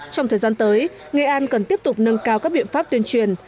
trong thời gian tới nghệ an cần tiếp tục nâng cao các biện pháp tuyên truyền